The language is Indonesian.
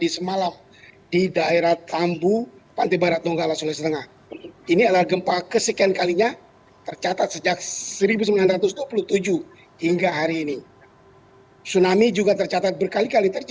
selamat siang jafar